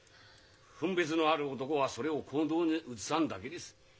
分別のある男はそれを行動に移さんだけです。